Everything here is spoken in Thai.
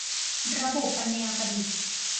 ระบบปัญญาประดิษฐ์